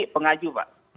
saya pengaju pak